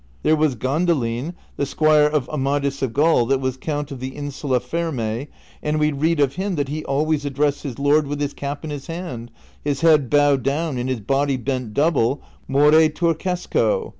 There was Gandalin, the squire of Amadis of Gaul, that was Count of the Insula Firme,''' and we read of him that he always addressed his lord Avith his cap in his hand, his head bowed down and his body bent double, more turqucsco.